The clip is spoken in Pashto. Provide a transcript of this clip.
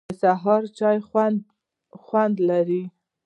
د سهار چای خوږ خوند لري